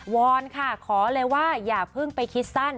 อนค่ะขอเลยว่าอย่าเพิ่งไปคิดสั้น